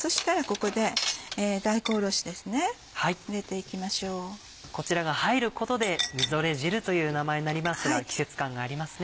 こちらが入ることで「みぞれ汁」という名前になりますが季節感がありますね。